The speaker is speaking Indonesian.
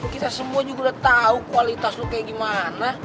kita semua juga udah tau kualitas lu kayak gimana